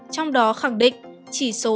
trong đó khẳng định chỉ số